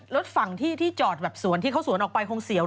รถฝั่งที่จอดแบบสวนที่เขาสวนออกไปคงเสียว